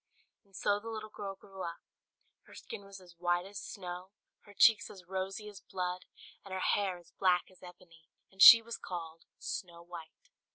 And so the little girl grew up: her skin was as white as snow, her cheeks as rosy as blood, and her hair as black as ebony; and she was called Snow White.